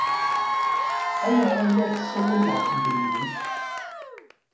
Ayɣer ay la tessawalem ɣef yedrimen?